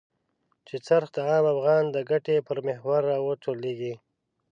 چې څرخ د عام افغان د ګټې پر محور را وچورليږي.